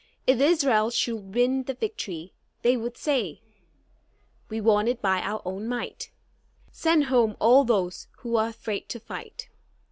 If Israel should win the victory, they would say, 'we won it by our own might.' Send home all those who are afraid to fight."